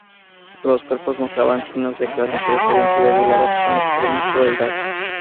Los cuerpos mostraban signos de que las mujeres habían sido violadas con extrema crueldad.